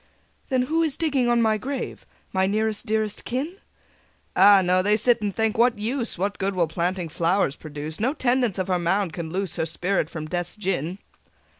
'" "Then who is digging on my grave, My nearest dearest kin?" "Ah, no: they sit and think, 'What use! What good will planting flowers produce? No tendance of her mound can loose Her spirit from Death's gin.'"